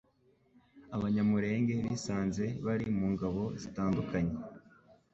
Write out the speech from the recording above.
Abanyamulenge bisanze bari mu Ngabo zitandukanye